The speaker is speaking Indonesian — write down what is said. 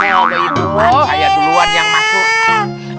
oh saya duluan yang masuk